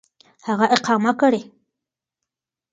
هغه اقامه كړي .